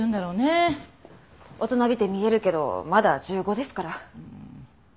大人びて見えるけどまだ１５ですから。